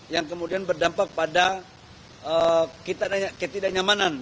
yang kemudian berdampak pada ketidaknyamanan